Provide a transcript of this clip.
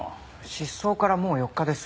失踪からもう４日です。